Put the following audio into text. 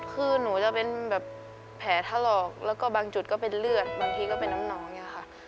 คือหนูจะเป็นแบบแผลถลอกแล้วก็บางจุดก็เป็นเลือดบางทีก็เป็นน้องอย่างนี้ค่ะ